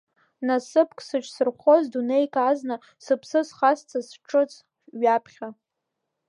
Насыԥк саҿзырхәоз дунеик азна, сыԥсы схазҵаз ҿыц ҩаԥхьа.